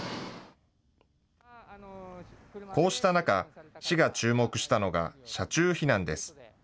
こうした中、市が注目したのが車中避難です。